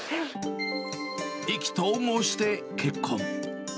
意気投合して結婚。